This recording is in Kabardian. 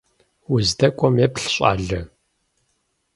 Уздэкӏуэм еплъ, щӏалэ!